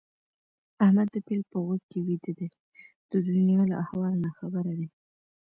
احمد د پيل په غوږ کې ويده دی؛ د دونيا له احواله ناخبره دي.